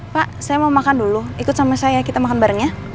pak saya mau makan dulu ikut sama saya kita makan barengnya